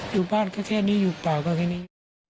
อยู่บ้านก็แค่นี้อยู่เปล่าก็แค่นี้